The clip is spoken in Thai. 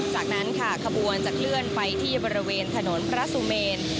จากนั้นค่ะขบวนจะเคลื่อนไปที่บริเวณถนนพระสุเมน